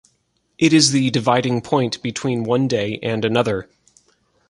It is the dividing point between one day and another.